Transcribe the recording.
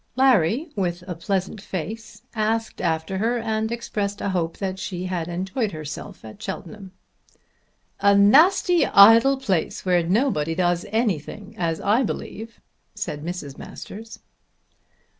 Larry, with a pleasant face, asked after her, and expressed a hope that she had enjoyed herself at Cheltenham. "A nasty idle place where nobody does anything as I believe," said Mrs. Masters.